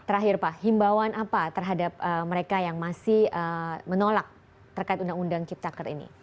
terakhir pak himbawan apa terhadap mereka yang masih menolak terkait undang undang ciptaker ini